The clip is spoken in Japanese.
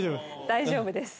大丈夫です。